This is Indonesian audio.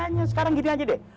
hanya sekarang gini aja deh